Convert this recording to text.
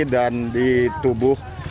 dan di tubuh